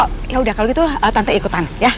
oh ya udah kalau gitu tante ikutan ya